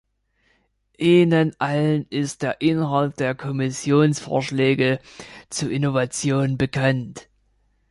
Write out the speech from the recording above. Ihnen allen ist der Inhalt der Kommissionsvorschläge zu Innovationen bekannt.